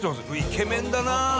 イケメンだなあ！